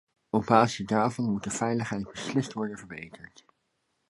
Op basis daarvan moet de veiligheid beslist worden verbeterd.